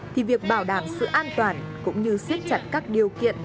thì việc bảo đảm sự an toàn cũng như siết chặt các điều kiện